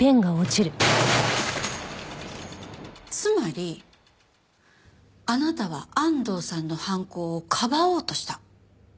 つまりあなたは安藤さんの犯行をかばおうとした。